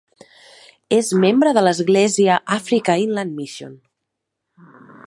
És membre de l'església Africa Inland Mission.